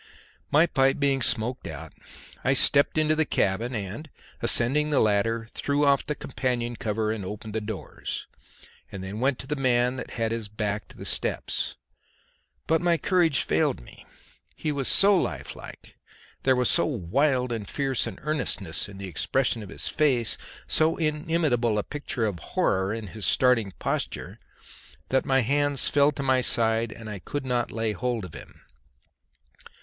My pipe being smoked out, I stepped into the cabin, and ascending the ladder threw off the companion cover and opened the doors, and then went to the man that had his back to the steps, but my courage failed me; he was so lifelike, there was so wild and fierce an earnestness in the expression of his face, so inimitable a picture of horror in his starting posture, that my hands fell to my side and I could not lay hold of him.